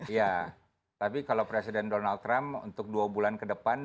ya tapi kalau presiden donald trump untuk dua bulan ke depan